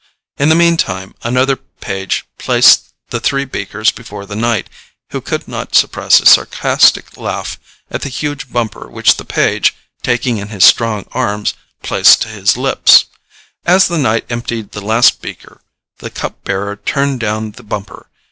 In the mean time another page placed the three beakers before the knight, who could not suppress a sarcastic laugh at the huge bumper which the page, taking in his strong arms, placed to his lips. As the knight emptied the last beaker the cup bearer turned down the bumper.